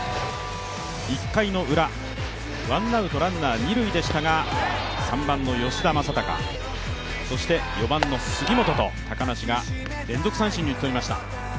１回のウラ、ワンアウト、ランナー二塁でしたが３番の吉田正尚、４番の杉本と、高梨が連続三振に打ち取りました。